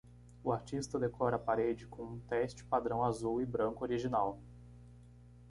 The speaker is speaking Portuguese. O artista decora a parede com um teste padrão azul e branco original.